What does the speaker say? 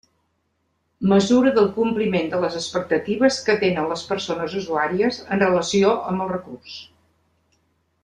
Mesura del compliment de les expectatives que tenen les persones usuàries en relació amb el recurs.